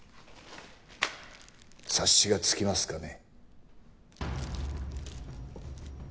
察しがつきますかね？